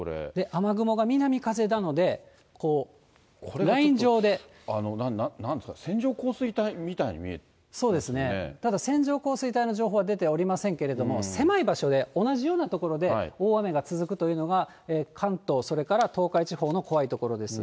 雨雲が南風なので、なんていうんですか、そうですね、ただ線状降水帯の情報は出てはおりませんけれども、狭い場所で同じような所で大雨が続くというのが、関東、それから東海地方の怖いところです。